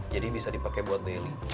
jadi bisa dipakai buat daily